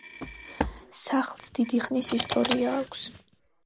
სახლს დიდი ხნის ისტორია აქვს.